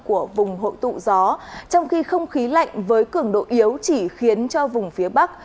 của vùng hội tụ gió trong khi không khí lạnh với cường độ yếu chỉ khiến cho vùng phía bắc